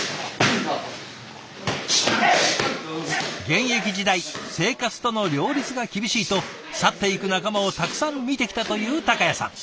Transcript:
現役時代生活との両立が厳しいと去っていく仲間をたくさん見てきたという孝也さん。